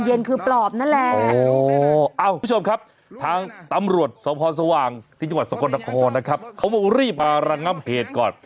คุณผู้ชมครับทางตำรวจสพสว่างที่จังหวัดสกลนครนะครับเขารีบมาระงับเหตุก่อน